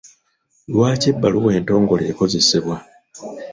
Lwaki ebbaluwa entongole ekozesebwa?